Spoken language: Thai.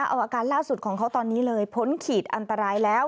เอาอาการล่าสุดของเขาตอนนี้เลยพ้นขีดอันตรายแล้ว